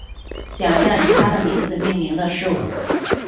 奖项以他的名字命名的事物